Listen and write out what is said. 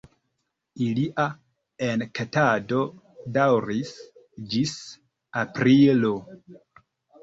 Ilia enketado daŭris ĝis aprilo.